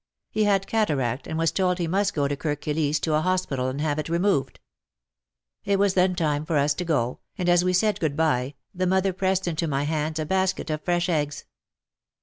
He had cataract, and was told he must go to Kirk Kilisse to a hospital and have it removed. It was then time for us to go, and as we said good bye, the mother pressed into my hands a basket of fresh eggs.